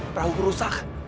perahu ku rusak